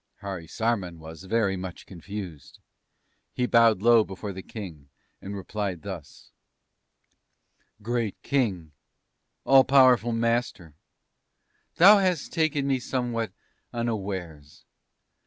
"Harisarman was very much confused. He bowed low before the King and replied thus: "'Great King, All powerful Master, thou hast taken me somewhat unawares.